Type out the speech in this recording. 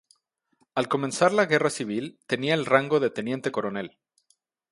Al comenzar la Guerra civil tenía el rango de Teniente coronel.